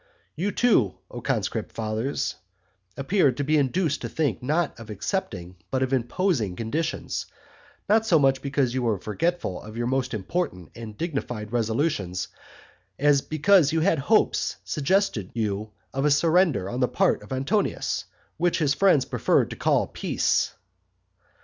You, too, O conscript fathers, appeared to be induced to think not of accepting but of imposing conditions, not so much because you were forgetful of your most important and dignified resolutions, as because you had hopes suggested you of a surrender on the part of Antonius, which his friends preferred to call peace.